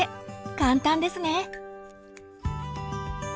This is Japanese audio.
簡単ですね。